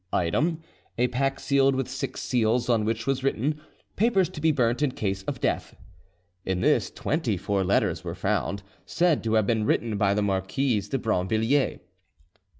"Item, a pack sealed with six seals, on which was written, 'Papers to be burnt in case of death.' In this twenty four letters were found, said to have been written by the Marquise de Brinvilliers.